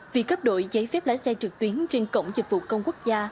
vì cấp đội giấy phép lái xe trực tuyến trên cổng dịch vụ công quốc gia